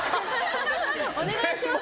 お願いしますね。